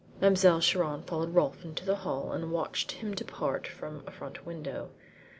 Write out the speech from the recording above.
Mademoiselle Chiron followed Rolfe into the hall and watched his departure from a front window.